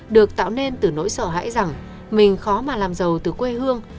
được tạo nên từ nỗi sợ hãi rằng mình khó mà làm giàu từ quê hương